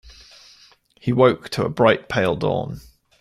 He woke to a bright, pale dawn.